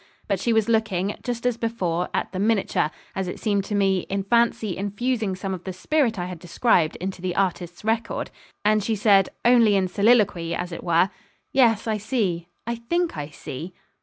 But she was looking, just as before, at the miniature, as it seemed to me, in fancy infusing some of the spirit I had described into the artist's record, and she said, only in soliloquy, as it were, 'Yes, I see I think I see.'